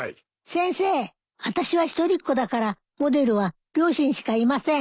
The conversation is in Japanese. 先生あたしは一人っ子だからモデルは両親しかいません。